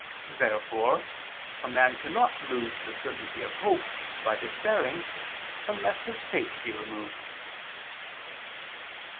Therefore a man cannot lose the certainty of hope, by despairing, unless his faith be removed.